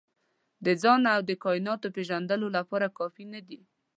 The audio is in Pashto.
د ځان او کایناتو پېژندلو لپاره کافي نه دي.